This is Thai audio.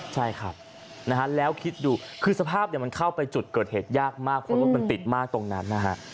ใช่ครับนะฮะแล้วคิดดูคือสภาพมันเข้าไปจุดเกิดเหตุยากมากเพราะรถมันติดมากตรงนั้นนะฮะ